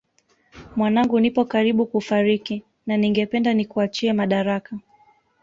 Mwanangu nipo karibu kufariki na ningependa nikuachie madaraka